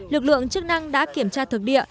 lực lượng chức năng đã kiểm tra thực địa